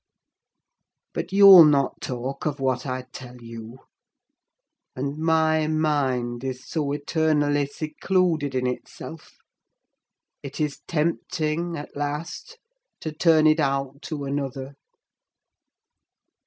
But you'll not talk of what I tell you; and my mind is so eternally secluded in itself, it is tempting at last to turn it out to another.